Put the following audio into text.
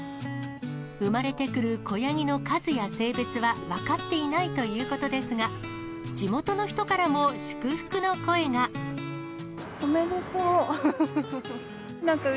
産まれてくる子ヤギの数や性別は分かっていないということですが、おめでとう。